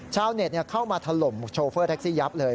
ชาวเน็ตเข้ามาถล่มโชเฟอร์แท็กซี่ยับเลย